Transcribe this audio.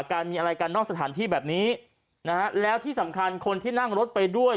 การมีอะไรกันนอกสถานที่แบบนี้นะฮะแล้วที่สำคัญคนที่นั่งรถไปด้วย